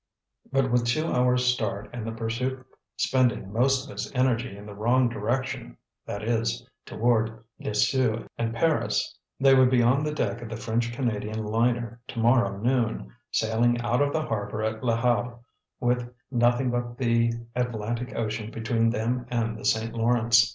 But with two hours' start, and the pursuit spending most of its energy in the wrong direction that is, toward Lisieux and Paris they would be on the deck of the French Canadian liner to morrow noon, sailing out of the harbour of Le Havre, with nothing but the Atlantic Ocean between them and the St. Lawrence.